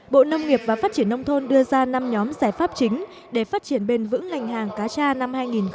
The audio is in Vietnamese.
bộ nông nghiệp và phát triển nông thôn đưa ra năm nhóm giải pháp chính để phát triển bền vững ngành hàng cá tra năm hai nghìn một mươi chín